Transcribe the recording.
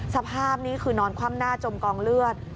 สภาพนี่คือนอนคว่ำหน้าจมกองเลือด